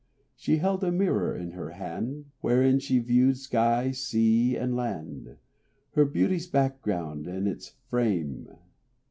She held a mirror in her hand, Wherein she viewed sky, sea, and land, Her beauty's background and its frame.